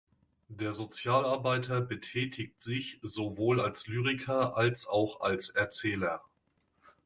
Der Sozialarbeiter betätigt sich sowohl als Lyriker als auch als Erzähler.